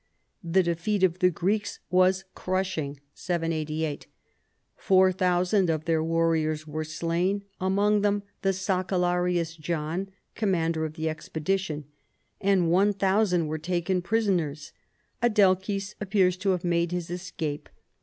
The defeat of the Greeks was crushing (788). Four thousand of their warriors were slain, among them the sacellarius John, commander of the expedition ; and one thousand were taken prisoners. Adelchis appears to have made his escape.